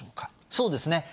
そうですね。